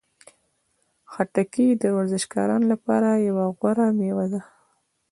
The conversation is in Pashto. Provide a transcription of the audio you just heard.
خټکی د ورزشکارانو لپاره یوه غوره میوه ده.